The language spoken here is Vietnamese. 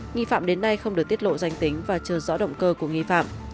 nghi phạm đến nay không được tiết lộ danh tính và chưa rõ động cơ của nghi phạm